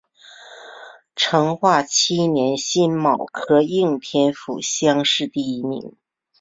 成化七年辛卯科应天府乡试第一名。